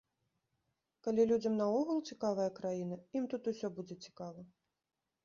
Калі людзям наогул цікавая краіна, ім тут усё будзе цікава.